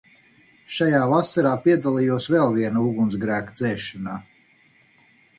Šajā vasarā piedalījos vēl viena ugunsgrēka dzēšanā.